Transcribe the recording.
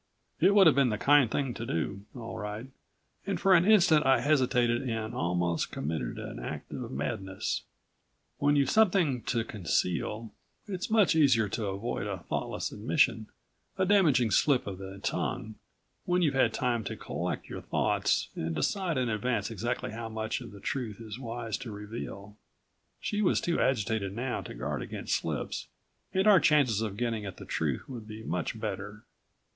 It would have been the kind thing to do, all right and for an instant I hesitated and almost committed an act of madness. When you've something to conceal, it's much easier to avoid a thoughtless admission, a damaging slip of the tongue, when you've had time to collect your thoughts and decide in advance exactly how much of the truth it's wise to reveal. She was too agitated now to guard against slips and our chances of getting at the truth would be much better.